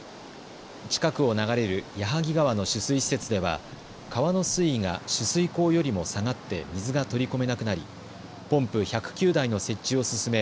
近くを流れる矢作川の取水施設では川の水位が取水口よりも下がって水が取り込めなくなりポンプ１０９台の設置を進め